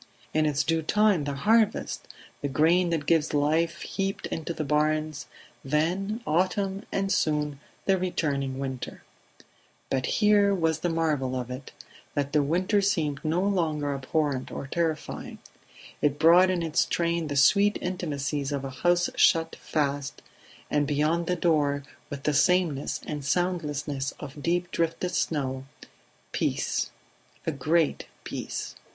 In its due time the harvest; the grain that gives life heaped into the barns; then autumn and soon the returning winter ... But here was the marvel of it, that the winter seemed no longer abhorrent or terrifying; it brought in its train the sweet intimacies of a house shut fast, and beyond the door, with the sameness and the soundlessness of deep drifted snow, peace, a great peace